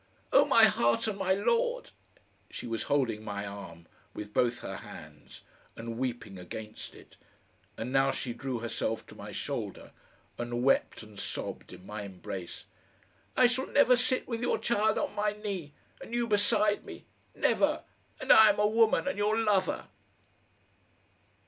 Oh, my heart and my lord!" She was holding my arm with both her hands and weeping against it, and now she drew herself to my shoulder and wept and sobbed in my embrace. "I shall never sit with your child on my knee and you beside me never, and I am a woman and your lover!..."